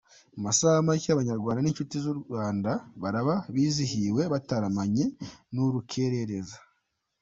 Mu masaha make, Abanyarwanda n’inshuti z’u Rwanda baraba bizihiwe, bataramanye n’Urukerereza.